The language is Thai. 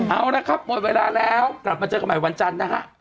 เอาละครับหมดเวลาแล้วกลับมาเจอกันใหม่วันจันทร์นะฮะ